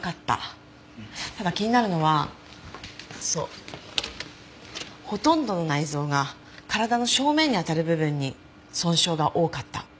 ただ気になるのはそうほとんどの内臓が体の正面にあたる部分に損傷が多かった。